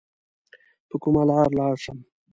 په کومه لار لاړ سم؟